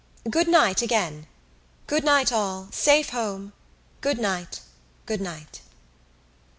"Good night, again." "Good night, all. Safe home." "Good night. Good night."